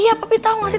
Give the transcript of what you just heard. iya papi tau gak sih